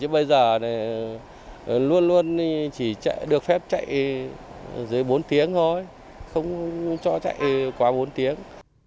bây giờ luôn luôn chỉ được phép chạy dưới bốn tiếng thôi không cho chạy quá bốn tiếng